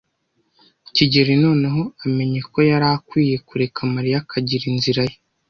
kigeli noneho amenye ko yari akwiye kureka Mariya akagira inzira ye.